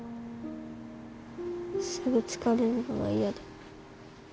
すぐ疲れるのが嫌だ。